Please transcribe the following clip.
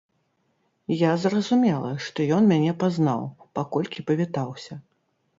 Я зразумела, што ён мяне пазнаў, паколькі павітаўся.